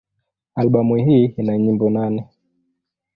Albamu hii ina nyimbo nane.